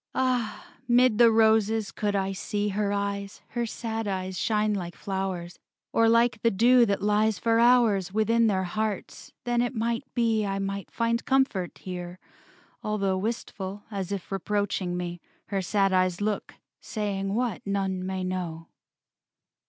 Ah, 'mid the roses could I see Her eyes, her sad eyes, shine like flowers, Or like the dew that lies for hours Within their hearts, then it might be I might find comfort here, although Wistful, as if reproaching me, Her sad eyes look, saying what none may know.